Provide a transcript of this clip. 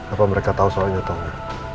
apa mereka tahu soalnya atau nggak